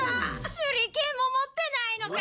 手裏剣も持ってないのか？